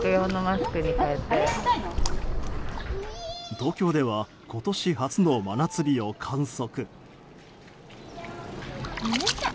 東京では今年初の真夏日を観測。